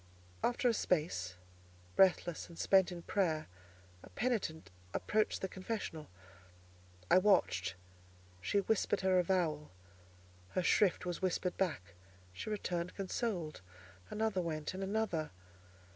After a space, breathless and spent in prayer, a penitent approached the confessional. I watched. She whispered her avowal; her shrift was whispered back; she returned consoled. Another went, and another.